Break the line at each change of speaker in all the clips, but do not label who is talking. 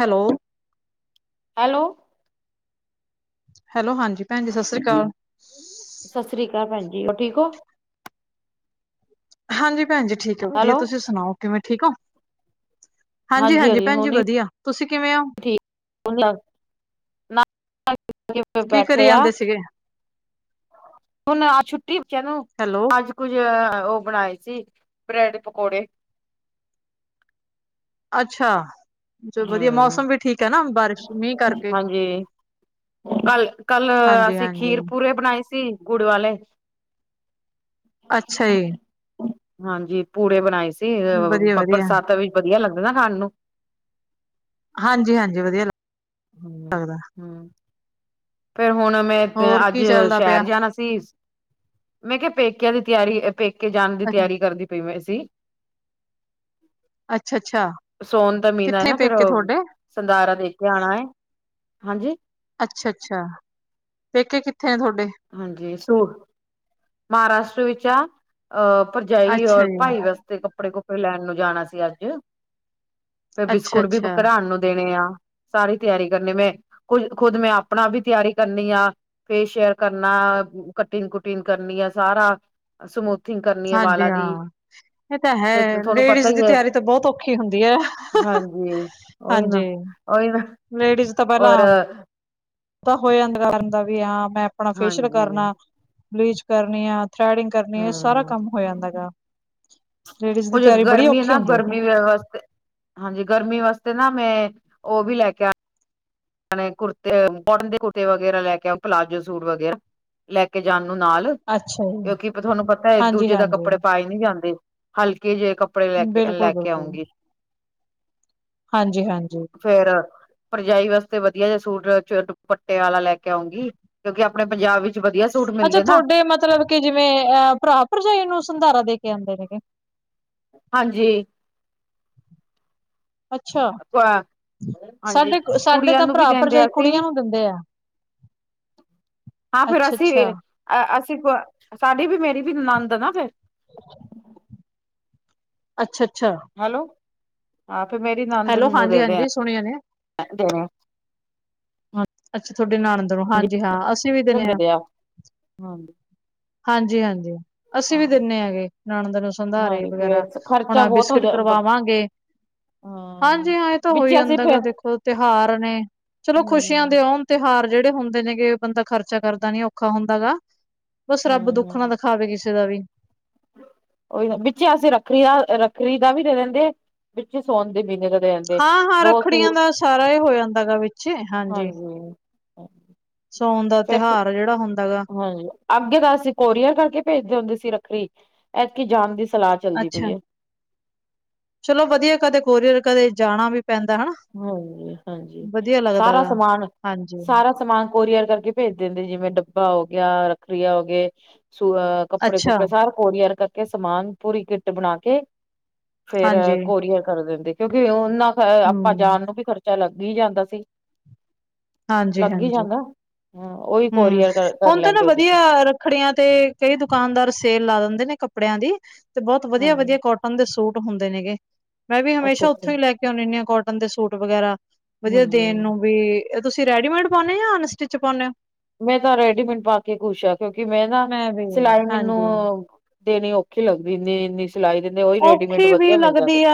Hello
hello-
hello, ਹਾਂਜੀ ਭੈਣਜੀ ਸਤਿ ਸ੍ਰੀ ਅਕਾਲ
ਸਤਿ ਸ੍ਰੀ ਅਕਾਲ ਭੈਣ ਜੀ, ਹੋਰ ਠੀਕ ੳ।
ਹਾਂਜੀ ਭੈਣ ਜੀ ਠੀਕ ਹੈ ਵਧੀਆ,
ਹੈਲੋ
ਤੁਸੀਂ ਸੁਣਾਓ ਕਿਵੇਂ ਠੀਕ ੳਂ। ਹਾਂਜੀ ਹਾਂਜੀ ਭੈਣ ਜੀ ਵਧੀਆ, ਤੁਸੀਂ ਕਿਵੇਂ ਹੋ?
ਕਿਵੇਂ
ਕੀ ਕਰੀ
ਬੈਠੇ ਆ
ਜਾਂਦੇ ਸੀਗੇ?
[unintelligible] ਹੁਣ ਆ ਛੁੱਟੀ ਬਚਿਆ ਨੂੰ
ਹੈਲੋ
ਅੱਜ ਕੁੱਝ ਉਹ ਬਣਾਏ ਸੀ ਬ੍ਰੈਡ ਪਕੌੜੇ,
ਅੱਛਾ ਚਲ ਵਧੀਆ
ਹਮ
ਮੌਸਮ ਵੀ ਠੀਕ ੲੈ ਨਾ, ਬਾਰਿਸ਼, ਮੀਂਹ ਕਰਕੇ
ਹਾਂਜੀ ਕੱਲ ਕੱਲ ਅਸੀਂ
ਹਾਂਜੀ-ਹਾਂਜੀ
ਖੀਰ ਪੂਰੇ ਬਣਾਏ ਸੀ ਗੁੜ ਵਾਲੇ।
ਅੱਛਾ ਜੀ।
ਹਾਂਜੀ ਪੂੜੇ ਬਣਾਏ ਸੀ,
ਵਧੀਆ-ਵਧੀਆ
ਬਰਸਾਤਾ ਵਿਚ ਵਧੀਆ ਲੱਗਦੇ ਨਾ ਖਾਣ ਨੂੰ।
ਹਾਂਜੀ ਹਾਂਜੀ, ਵਧੀਆ ਲੱਗਦੇ
ਹੂੰ ਹੂੰ, ਫੇਰ ਹੁਣ ਮੈਂ
ਹੋਰ
ਅੱਜ
ਕੀ ਚੱਲਦਾ ਪਿਆ
ਸ਼ਹਿਰ ਜਾਣਾ ਸੀ। ਸੀ, ਮੈਂ ਕਿਹਾ ਪੇਕਿਆਂ ਦੀ ਤਿਆਰੀ, ਪੇਕੇ ਜਾਣ ਦੀ ਤਿਆਰੀ ਕਰਦੀ ਪਈ ਮੈਂ ਸੀ।
ਅੱਛਾ-ਅੱਛਾ
ਸੋਨ ਦਾ ਮਹੀਨਾ ਏ
ਕਿੱਥੇ
ਨਾ ਫੇਰ
ਪੇਕੇ
ਉਹ
ਤੁਹਾਡੇ
ਸੰਧਾਰਾ ਦੇ ਕੇ ਆਉਣਾ ਏ, ਹਾਂਜੀ
ਅੱਛਾ ਅੱਛਾ, ਪੇਕੇ ਕਿੱਥੇ ਨੇ ਤੁਹਾਡੇ?
ਹਾਂਜੀ, ਸੁ ਮਹਾਰਾਸ਼ਟਰ ਵਿੱਚ ਆ। ਅਹ ਭਰਜਾਈ
ਅੱਛਾ
ਔਰ ਭਾਈ
ਜੀ
ਵਾਸਤੇ ਕੱਪੜੇ ਕੁਪੜੇ ਲੈਣ ਨੂੰ ਜਾਣਾ ਸੀ ਅੱਜ। ਫਿਰ ਬਿਸਕੁਟ ਵੀ
ਅੱਛਾ-ਅੱਛਾ
ਘਰਾਉਣ ਨੂੰ ਦੇਣੇ ਆ, ਸਾਰੀ ਤਿਆਰੀ ਕਰਨੀ ਮੈਂ ਖੁਦ, ਖੁਦ ਮੈਂ ਆਪਣਾ ਵੀ ਤਿਆਰੀ ਕਰਨੀ ਆ ਫੇਸ਼ੀਅਲ ਕਰਨਾ ਕਟਿੰਗ ਕੁਟਿੰਗ ਕਰਨੀ ਆ ਸਾਰਾ ਸਮੂਥਿੰਗ ਕਰਨੀ ਏ
ਹਾਂਜੀ
ਵਾਲਾਂ ਦੀ,
ਹਾਂ ਇਹ ਤਾਂ ਹੈ
ਤੇ ਤੁਹਾਨੂੰ ਪਤਾ
ਲੇਡੀਜ਼
ਈ
ਦੀ
ਏ
ਤਿਆਰੀ ਤਾਂ ਬਹੁਤ ਔਖੀ ਹੁੰਦੀ ਹੈ
ਹਾਂਜੀ, ਉਈ ਨਾ ਉਈ ਨਾ
ਲੇਡੀਜ ਤਾਂ ਪਹਿਲਾਂ
ਔਰ
ਤਾਂ ਹੋਇਆੰਦਾ ਵੀ ਹਾਂ ਮੈਂ ਆਪਣਾ ਫੇਸ਼ਅਲ
ਹਾਂਜੀ
ਕਰਨਾ, ਬਲੀਚ ਕਰਨੀ, ਆ ਥਰੈਡਿੰਗ ਕਰਨੀ ਏ, ਸਾਰਾ ਕੰਮ ਹੋ ਜਾਂਦਾ
ਹਮ
ਹੇਗਾ, ਲੇਡੀਜ਼ ਦੀ
ਕੁੱਝ
ਤਿਆਰੀ ਬੜੀ
ਗਰਮੀ
ਔਖੀ
ਨਾ
ਹੁੰਦੀ ਏ।
ਗਰਮੀ ਵਾਸਤੇ ਹਾਂਜੀ, ਗਰਮੀ ਵਾਸਤੇ ਨਾ ਮੈਂ ਉਹ ਵੀ ਲੈ ਕੇ ਆ ਕੁਰਤੇ, ਕੋਟਨ ਦੇ ਕੁਰਤੇ ਵਗੈਰਾ ਲੈ ਕੇ ਆ, ਪਲਾਜੋ ਸੂਟ ਵਗੈਰਾ ਲੈ ਕੇ ਜਾਣ ਨੂੰ ਨਾਲ
ਅੱਛਾ ਜੀ
ਕਿਉਂਕਿ ਤੁਹਾਨੂੰ ਪਤਾ ਏ ਇਕ
ਹਾਂਜੀ
ਦੂਜੇ ਦੇ
ਹਾਂਜੀ
ਕੱਪੜੇ ਪਾਏ ਨੀ ਜਾਂਦੇ, ਹਲਕੇ ਜਿਹੇ ਕੱਪ ਕੱਪੜੇ ਲੈ ਕੇ
ਬਿਲਕੁਲ
ਲੈ ਕੇ
ਬਿਲਕੁਲ
ਆਉਂਗੀ।
ਹਾਂਜੀ ਹਾਂਜੀ।
ਫੇਰ, ਭਰਜਾਈ ਵਾਸਤੇ ਵਧੀਆ ਜਿਹਾ ਸੂਟ ਦੁਪੱਟੇ ਵਾਲਾ ਲੈ ਕੇ ਆਉਂਗੀ। ਕਿਉਂਕਿ ਆਪਣੇ ਪੰਜਾਬ ਵਿੱਚ ਵਧੀਆ ਸੂਟ ਮਿਲਦੇ ਨਾ।
ਤੇ ਮਤਲਬ ਕਿ ਜਿਵੇਂ ਅਹ ਭਰਾ ਭਰਜਾਈ ਨੂੰ ਸੰਧਾਰਾ ਦੇ ਕੇ ਆਉਂਦੇ ਨੇਗੇ।
ਹਾਂਜੀ।
ਅੱਛਾ!
ਹਾਂਜੀ
ਸਾਡੇ ਸਾਡੇ
ਕੁੜੀਆਂ
ਤਾਂ
ਨੂੰ ਵੀ
ਭਰਾ
ਦਿੰਦੇ
ਭਰਜਾਈ
ਅਸੀਂ
ਕੁੜੀਆਂ ਨੂੰ ਦਿੰਦੇ ਆ। [inaudible] ਹਮ
ਹਾਂ ਫੇਰ ਅਸੀਂ ਵੀ, ਅਸੀਂ ਸਾਡੀ ਵੀ ਮੇਰੀ ਵੀ ਨੰਦ ਨਾ ਫੇਰ।
ਅੱਛਾ ਅੱਛਾ
ਹੈਲੋ, ਹਾਂ ਫਿਰ ਮੇਰੀ ਨੰਦ
ਹੈਲੋ
ਨੂੰ
ਹਾਂਜੀ
ਦੇ ਦੇ ਏ।
ਹਾਂਜੀ ਸੁਣਿਆ ਨੇ
ਹ [unintelligible]
ਅੱਛਾ ਤੁਹਾਡੇ ਨੰਦ ਨੂੰ, ਹਾਂਜੀ ਹਾਂ ਅਸੀਂ ਵੀ ਦਿਨੇ ਹਾਂ।
ਹਾਂਜੀ
ਹਾਂਜੀ ਹਾਂਜੀ ਅਸੀਂ ਵੀ ਦਿੰਨੇ ਹੈਗੇ, ਨਨੰਦ ਨੂੰ ਸੰਧਾਰੇ
ਹਾਂਜੀ
ਵਗੈਰਾ।
ਫੇਰ
ਹੁਣ
ਖਰਚਾ
ਆ
ਬਹੁਤ ਹੋ
ਬਿਸਕਿਟ
ਜਾ
ਕਰਵਾਵਾਂਗੇ ਹਾਂਜੀ ਹਾਂ ਇਹ ਤਾਂ
ਵਿੱਚ
ਹੋਈ
ਅਸੀਂ
ਆਦਾ
ਫੇਰ
ਦੇਖੋ ਤਿਉਹਾਰ ਨੇ, ਚਲੋ ਖੁਸ਼ ਸੀਆਂ
ਹੂੰ
ਦੇ ਆਉਣ ਤਿਉਹਾਰ ਜਿਹੜੇ ਹੁੰਦੇ ਨੇਗੇ, ਬੰਦਾ ਖਰਚਾ ਕਰਦਾ ਨੀ ਔਖਾ ਹੁੰਦਾ ਹੇਗਾ। ਬਸ
ਹੂੰ
ਰੱਬ ਦੁੱਖ ਨਾ
ਹੂੰ
ਦਿਖਾਵੇ ਕਿਸੇ ਦਾ ਵੀ।
ਉਹੀ ਵਿੱਚੇ ਅਸੀ ਰੱਖੜੀ ਦਾ ਰੱਖੜੀ ਦਾ ਵੀ ਦੇ ਦਿੰਦੇ ਆ, ਵਿੱਚੇ ਸੌਨ ਦੇ ਮਹੀਨੇ ਦਾ ਦੇ ਦਿੰਦੇ
ਹਾਂ ਹਾਂ
ਦੋ
ਰੱਖੜੀਆਂ
ਸੂਟ
ਦਾ ਸਾਰਾ ਹੋ ਜਾਂਦਾ ਗਾ ਵਿੱਚ, ਹਾਂਜੀ ਸਾਉਣ ਦਾ
ਫੇਰ
ਤਿਉਹਾਰ ਜਿਹੜਾ ਹੁੰਦਾ ਗਾ
ਹਾਂਜੀ ਅੱਗੇ ਤਾਂ ਅਸੀਂ ਕੋਰੀਅਰ ਕਰਕੇ ਭੇਜਦੇ ਹੁੰਦੇ ਸੀ ਰੱਖੜੀ, ਐਤਕੀ ਜਾਨ ਦੀ ਸਲਾਹ ਚ'
ਅੱਛਾ, ਚਲੋ ਵਧੀਆ ਕਦੇ ਕੋਰੀਅਰ ਕਦੇ ਜਾਣਾ ਵੀ ਪੈਂਦਾ ਹਨਾ
ਹਾਂਜੀ ਹਾਂਜੀ,
ਵਧੀਆ ਲੱਗਦਾ
ਸਾਰਾ
ਗਾ।
ਸਮਾਨ
ਹਾਂਜੀ,
ਸਾਰਾ ਸਮਾਨ ਕੋਰੀਅਰ ਕਰਕੇ ਭੇਜ ਦਿੰਦੇ, ਜਿਵੇਂ ਡੱਬਾ ਹੋ ਗਿਆ ਰੱਖੜਆ ਹੋ ਗਏ ਸਹ
ਅੱਛਾ,
ਕੱਪੜੇ-ਕੁੱਪੜੇ ਸਾਰੇ ਕੋੋਰੀਅਰ ਕਰਕੇ ਸਮਾਨ ਪੂਰੀ ਕਿੱਟ ਬਣਾ ਕੇ ਫੇਰ
ਹਾਂਜੀ,
ਕੋਰੀਅਰ ਕਰ ਦਿੰਦੇ, ਕਿਉਂਕਿ ਉਹਨਾਂ ਆਪਾਂ
ਹੂੰ,
ਜਾਣ ਨੂੰ ਵੀ ਖਰਚਾ ਲੱਗ ਹੀ ਜਾਂਦਾ ਸੀ। ਲੱਗ ਹੀ
ਹਾਂਜੀ-ਹਾਂਜੀ।
ਜਾਂਦਾ। ਹ ਉਹੀ
ਹੂੰ,
ਕੋਰੀਅਰ ਕਰ
ਹੁਣ ਤਾਂ ਨਾ
ਲੈਂਦੇ ਉਦੇ
ਵਧੀਆ
ਸੀ।
ਰੱਖੜੀਆਂ ਤੇ ਕਈ ਦੁਕਾਨਦਾਰ ਸੇਲ ਲਾ ਦਿੰਦੇ ਨੇ ਕੱਪੜਿਆਂ ਦੀ, ਤੇ ਬਹੁਤ ਵਧੀਆ
ਹਾਂਜੀ
ਵਧੀਆ ਕੋਟ ਕੋਟਨ ਦੇ ਸੂਟ ਹੁੰਦੇ ਨੇਗੇ। ਮੈਂ ਵੀ
ਅੱਛਾ
ਹਮੇਸ਼ਾ
ਅੱਛਾ
ਉੱਥੋਂ ਹੀ ਲੈ ਕੇ ਆਦੀ ਹੁੰਦੀਆ ਕੋਟਨ ਦੇ ਸੂਟ ਵਗੈਰਾ ਵਧੀਆ
ਹਾਂਜੀ
ਦੇਣ
ਹਾਂਜੀ।
ਨੂੰ ਵੀ ਤੁਸੀਂ ਰੈਡੀਮੇਡ ਪਾਨੇਓ ਆ ਜਾਂ ਅਨਸਟਿਚ ਪਾਨੇਓ?
ਮੈਂ ਤਾਂ ਰੈਡੀਮੇਟ ਪਾ ਕੇ ਖੁਸ਼ ਆ ਕਿਉਂਕਿ ਮੈਂ ਨਾ,
ਵੀ
ਸਿਲਾਈ ਮੈਨੂੰ
ਹਾਂਜੀ।
ਦੇਣੀ ਔਖੀ ਲੱਗਦੀ ਇੰਨੀ-ਇੰਨੀ। ਚਲਾਈ ਦਿੰਦੇ ਉਹ
ਔਖੀ ਵੀ ਲੱਗਦੀ ਆ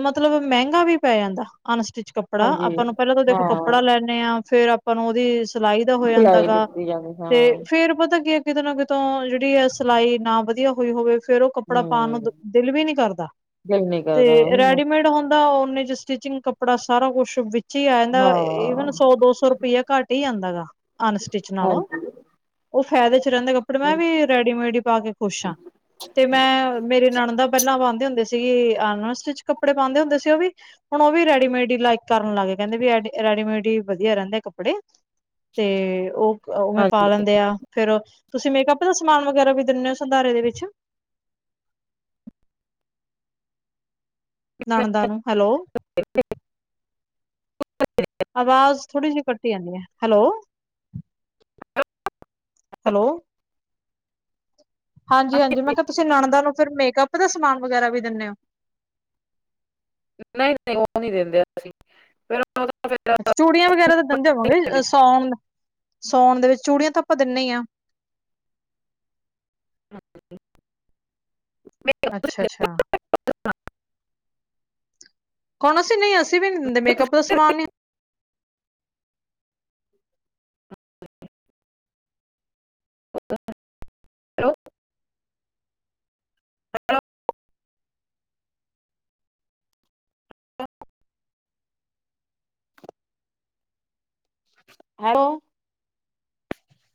ਮਤਲਬ, ਮਹਿੰਗਾ ਵੀ ਪੈ ਜਾਂਦਾ ਅਨਸਟਿਚ ਕੱਪੜੇ ਕੱਪੜਾ
ਹਾਂਜੀ
ਆਪਾਂ ਨੂੰ ਪਹਿਲਾ ਤਾਂ ਦੇਖੋ
ਹਾਂ
ਕੱਪੜਾ ਲੈਣ ਲੈਨਿਆ, ਫੇਰ ਆਪਾਂ ਨੂੰ ਉਹਦੀ ਸਿਲਾਈ ਦਾ ਹੋ ਜਾਂਦਾ
ਸਿਲਾਈ
ਹੈਗਾ।
ਦਿੱਤੀ ਜਾਂਦੀ
ਤੇ
ਹਾਂ
ਫੇਰ-ਫੇਰ ਪਤਾ ਕੀ ਕਿਤੇ ਨਾ ਕਿਤੋਂ ਜਿਹੜੀ ਆ ਸਿਲਾਈ ਨਾ ਵਧੀਆ ਹੋਈ ਹੋਵੇ ਫੇਰ ਉਹ ਕੱਪੜਾ ਪਾਉਣ ਨੂੰ
ਹੂੰ
ਦਿਲ ਵੀ ਨੀ ਕਰਦਾ।
ਦਿਲ ਨੀ ਕਰਦਾ
ਤੇ
ਉਹੀ ਨਾ
ਰੈਡੀਮੇਡ ਹੁੰਦ ਦਾ ਓਨੇ ਚ ਸਟਿਚਿੰਗ ਕੱਪੜਾ ਸਾਰਾ ਕੁਛ ਵਿੱਚ ਹੀ ਆ
ਹਾਂ
ਜਾਂਦਾ ਈਵਨ ਸੌ- ਦੋ ਸੌ ਰੁਪਇਆ ਘੱਟ ਆਦਾ ਗਾ ਅਨਸਟਿਚ ਨਾਲੋਂ,
ਹਾਂਜੀ
ਉਹ ਫਾਇਦੇ ਚ ਰਹਿੰਦੇ ਕੱਪੜੇ ਮੈਂ ਵੀ ਰੈਡੀਮੇਡੀ ਹੀ ਪਾ ਕੇ ਖੁਸ਼ ਹਾਂ। ਤੇ ਮੈਂ ਮੇਰੀ ਨਾਣਦ ਤਾ ਪਹਿਲਾਂ ਪਾਉਂਦੇ ਹੁੰਦੇ ਸੀਗੇ ਅਨ ਸਟਿਚ ਕੱਪੜੇ ਪਾਉਂਦੇ ਹੁੰਦੇ ਸੀ ਉਹ ਵੀ ਹੁਣ ਉਹ ਵੀ ਰੈਡੀਮੇਡ ਹੀ ਲਾਈਕ ਕਰਨ ਲੱਗ ਗੇ ਕਹਿੰਦੇ ਵੀ ਰੈਡੀ-ਰੈਡੀਮੇਡ ਹੀ ਵਧੀਆ ਰਹਿੰਦੇ ਕੱਪੜੇ। ਤੇ ਉਹ ਉਵੇਂ ਪਾ ਲੈਂਦੇ ਆ ਫੇਰ, ਤੁਸੀਂ ਮੇਕਅਪ ਦਾ ਸਮਾਨ ਵਗੈਰਾ ਵੀ ਦਿੰਦੇ ਹੋ ਸੰਧਾਰੇ ਦੇ ਵਿੱਚ? ਨਣਦਾ ਨੂੰ, ਹੈਲੋ ਆਵਾਜ਼ ਥੋੜੀ ਜਿਹੀ ਕੱਟੀ ਜਾਂਦੀ, ਹੈਲੋ ਹੈਲੋ ਹਾਂਜੀ ਹਾਂਜੀ ਮੈਂ ਕਿਹਾ ਤੁਸੀਂ ਨਣਦ ਨੂੰ ਫਿਰ ਮੇਕਅਪ ਦਾ ਸਮਾਨ ਵਗੈਰਾ ਵੀ ਦਿੰਦੇ ਓ?
ਨਹੀਂ- ਨਹੀਂ ਉਹ ਨਹੀਂ ਦਿੰਦੇ ਅਸੀਂ, ਫਿਰ ਉਹ ਫਿਰ
ਚੂੜੀਆਂ ਵਗੈਰਾ ਤਾਂ ਦਿੰਦੇ ਹੋਗੇ ਵਾਂਗੇਰਾ ਸਾਉਣ, ਸਾਉਣ ਦੇ ਵਿੱਚ ਚੂੜੀਆਂ ਤਾਂ ਆਪਾਂ ਦਿੰਦੇ ਹੀ ਹਾਂ। ਅੱਛਾ-ਅੱਛਾ ਕੌਣ ਅਸੀਂ ਨਹੀ ਅਸੀਂ ਵੀ ਨਹੀਂ ਦਿੰਦੇ ਮੇਕਅਪ ਦਾ ਸਮਾਨ ਵੀ।
Hello [unintelligible] hello